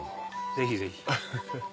ぜひぜひ。